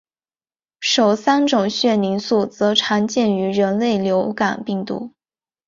首三种血凝素则常见于人类流感病毒。